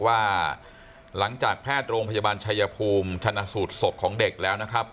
ว่าหลังจากแพทย์โรงพยาบาลชายภูมิชนะสูตรศพของเด็กแล้วนะครับ